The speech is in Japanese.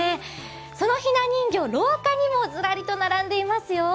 そのひな人形、廊下にもずらりと並んでいますよ。